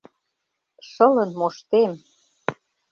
Шылын моштем!